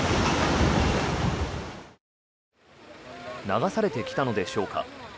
流されてきたのでしょうか。